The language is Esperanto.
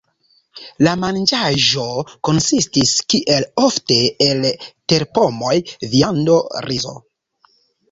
La manĝaĵo konsistis kiel ofte, el terpomoj, viando, rizo.